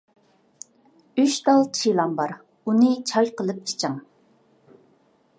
ئۈچ تال چىلان بار، ئۇنى چاي قىلىپ ئىچىڭ.